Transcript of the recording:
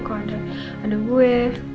kalau ada gue